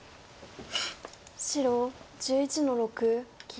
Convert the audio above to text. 白１１の六切り。